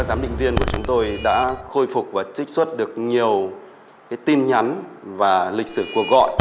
giám định viên của chúng tôi đã khôi phục và trích xuất được nhiều tin nhắn và lịch sử cuộc gọi